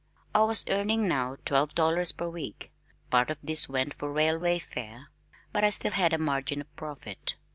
I was earning now twelve dollars per week, part of this went for railway fare, but I still had a margin of profit.